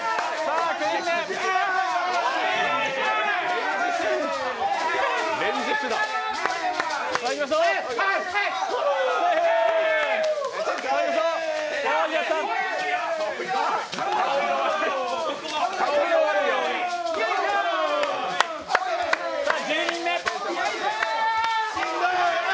さあ、１０人目。